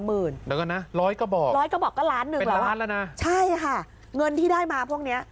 แล้วก็นะ๑๐๐กระบอกเป็นล้านละนะใช่ค่ะงานที่ได้มาพวกนี้